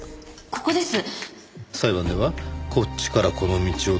ここです。